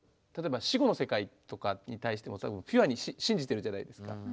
例えば死後の世界とかに対してもピュアに信じているじゃないですか。